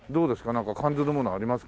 なんか感ずるものありますか？